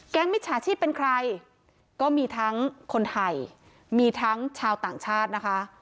มิจฉาชีพเป็นใครก็มีทั้งคนไทยมีทั้งชาวต่างชาตินะคะ